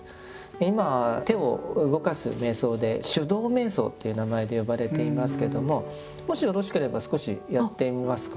今手を動かす瞑想で「手動瞑想」という名前で呼ばれていますけどももしよろしければ少しやってみますか？